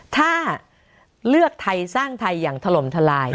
ถ้าเลือกไทยสร้างไทยอย่างถล่มทลาย